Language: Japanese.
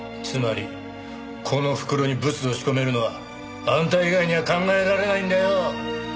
つまりこの袋にブツを仕込めるのはあんた以外には考えられないんだよ！